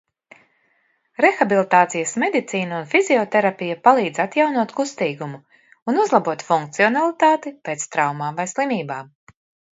Rehabilitācijas medicīna un fizioterapija palīdz atjaunot kustīgumu un uzlabot funkcionalitāti pēc traumām vai slimībām.